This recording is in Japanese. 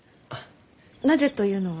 なぜというのは？